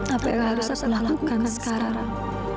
apa yang harus aku lakukan sekarang